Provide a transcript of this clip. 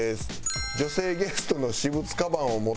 女性ゲストの私物カバンを持って登場。